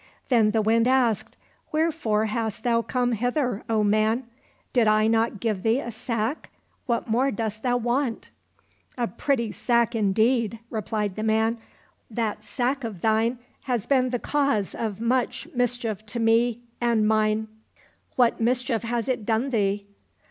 Then the Wind asked, '' Wherefore hast thou come hither, O man } Did I not give thee a sack ? What more dost thou want ?"—" A pretty sack indeed !" replied the man ;" that sack of thine has been the cause of much mischief to me and mine." C 33 COSSACK FAIRY TALES —" What mischief has it done thee